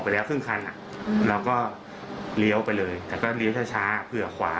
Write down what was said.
ซึ่งให้ราชุคพิเศษเห็นแต่ว่า